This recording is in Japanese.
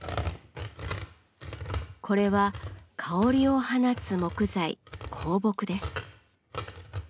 これは香りを放つ木材香木です。